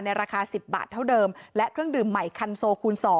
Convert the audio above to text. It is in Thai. ราคา๑๐บาทเท่าเดิมและเครื่องดื่มใหม่คันโซคูณ๒